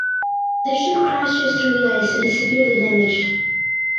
The ship crashes through the ice and is severely damaged.